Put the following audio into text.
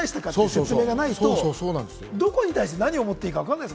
説明がないとどこに対して何を思っていいかわからない。